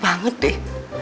pt banget deh